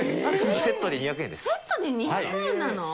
セットで２００円なの？